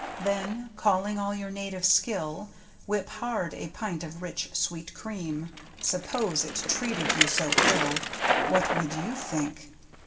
Then, calling all your native skill. Whip hard a pint of rich, sweet cream (Suppose it treated you so ill, AVhat would you think?)